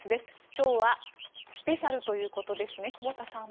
今日はスペシャルということですね久保田さん。